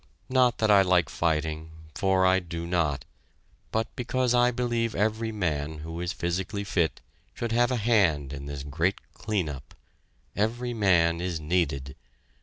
Not that I like fighting for I do not; but because I believe every man who is physically fit should have a hand in this great clean up every man is needed!